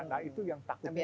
nah itu yang takut